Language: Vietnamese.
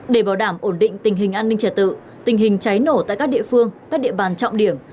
để bảo đảm ổn định tình hình an ninh trả tự tình hình cháy nổ tại các địa phương các địa bàn trọng điểm